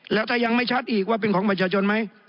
แล้วถ้ายังไม่ชัดอีกว่าเป็นของประชาชนไหม